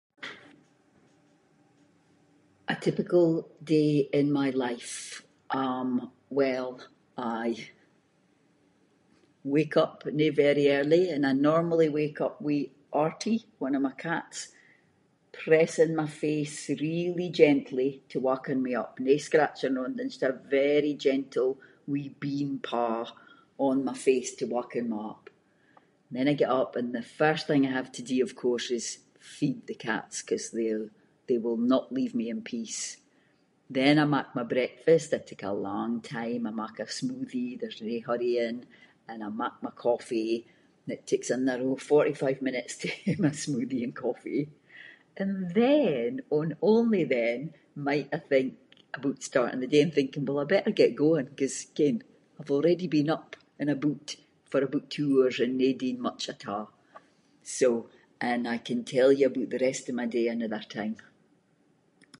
A typical day in my life, um, well, I wake up, no very early, and I normally wake up with Artie, one of my cats pressing my face, really gently to waken me up, nae scratching or onything just a very gentle wee bean paw on my face to waken me up. Then I get up, and the first thing I have to do of course is feed the cats, ‘cause they’re- they will not leave me in peace, then I mak my breakfast, I take a long time, I mak a smoothie, there’s nae hurrying, and I mak my coffee, and it takes another fourty-five minutes to hae my smoothie and coffee, and then and only then, might I think aboot starting the day, and thinking, well I better get going ‘cause, ken, I’ve already been up and aboot for aboot two hours and no done much at a’. So- and I can tell you aboot the rest of my day another time.